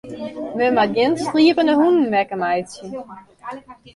Men moat gjin sliepende hûnen wekker meitsje.